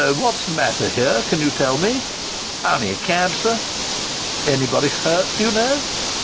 " What's the matter here, can you tell me ?"" On'y a cab, sir." " Anybody hurt, do you know